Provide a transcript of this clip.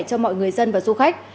cho mọi người dân và du khách